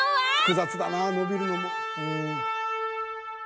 複雑だなぁ伸びるのも。